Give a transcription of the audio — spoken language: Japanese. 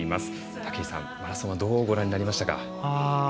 武井さん、マラソンはどうご覧になりましたか？